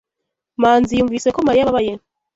Manzi yumvise ko Mariya ababaye.